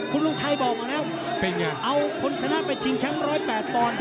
คุณลุงชัยบอกมาแล้วเอาคนชนะไปชิงแชมป์๑๐๘ปอนด์